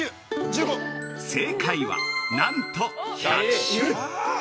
◆正解は、なんと１００種！